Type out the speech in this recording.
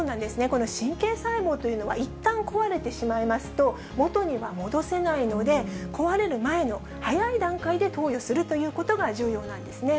この神経細胞というのはいったん壊れてしまいますと、元には戻せないので、壊れる前の早い段階で投与するということが重要なんですね。